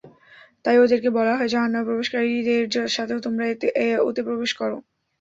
তাই ওদেরকে বলা হল, জাহান্নামে প্রবেশকারীদের সাথে তোমরাও ওতে প্রবেশ কর।